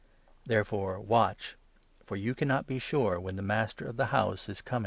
Therefore watch, for you cannot be sure when the Master of the house is coming — 12 Mic.